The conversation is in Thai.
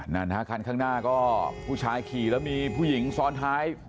นั่นฮะคันข้างหน้าก็ผู้ชายขี่แล้วมีผู้หญิงซ้อนท้าย